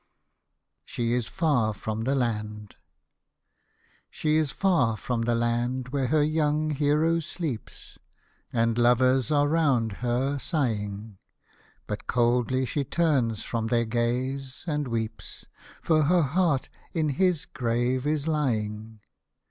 SHE IS FAR FROM THE LAND She is far from the land where her young hero sleeps, And lovers are round her, sighing : But coldly she turns from their gaze, and weeps, For her heart in his grave is lying.